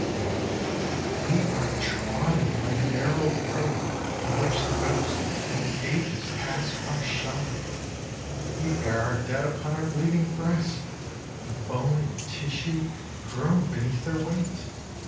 Oh we are trodden like a narrow road On which the ghosts of ages pass rough shod ; We bear our dead upon our bleeding breasts, And bone and tissue groan beneath their weight.